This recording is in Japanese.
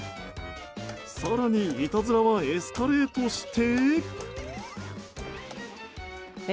更に、いたずらはエスカレートして。